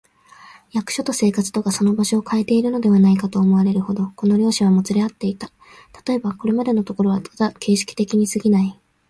役所と生活とがその場所をかえているのではないか、と思われるほど、この両者はもつれ合っていた。たとえば、これまでのところはただ形式的にすぎない、